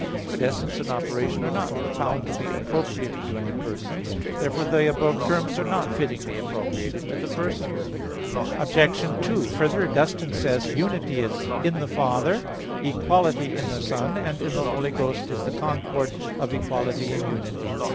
But essence and operation are not found to be appropriated to any person. Therefore the above terms are not fittingly appropriated to the persons. Obj. 2: Further, Augustine says (De Doctr. Christ. i, 5): "Unity is in the Father, equality in the Son, and in the Holy Ghost is the concord of equality and unity."